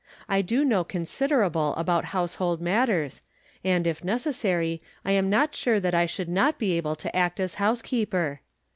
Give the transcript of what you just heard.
I do know consid erable about household matters, and, if necessary, I am not sure that I should not be able to act as housekeeper